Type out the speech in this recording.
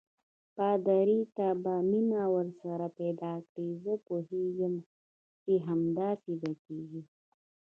پادري: ته به مینه ورسره پیدا کړې، زه پوهېږم چې همداسې به کېږي.